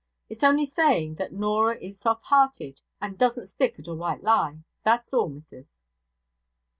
It's only saying that Norah is soft hearted and doesn't stick at a white lie that's all, missus.'